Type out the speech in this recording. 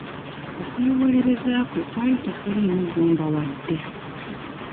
Okwewolereza kwe kwali tekuliimu ggumba wadde.